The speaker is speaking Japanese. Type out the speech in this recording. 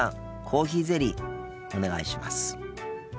コーヒーゼリーお願いします。